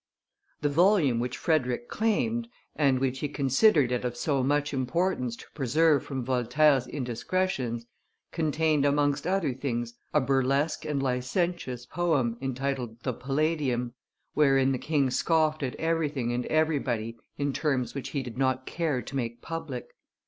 The volume which Frederick claimed, and which he considered it of so much importance to preserve from Voltaire's indiscretions, contained amongst other things a burlesque and licentious poem, entitled the Palladium, wherein the king scoffed at everything and everybody in terms which he did not care to make public.